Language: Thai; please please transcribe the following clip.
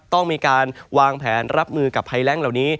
ต้องมีการวางแผนรับมือกับภัยแรงเหล่านี้